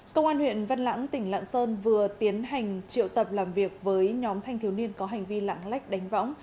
công an huyện văn lãng tỉnh lạng sơn vừa tiến hành triệu tập làm việc với nhóm thanh thiếu niên có hành vi lãng lách đánh võng